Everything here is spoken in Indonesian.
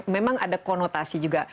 memang ada konotasi juga